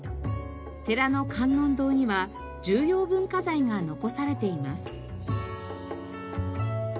寺の観音堂には重要文化財が残されています。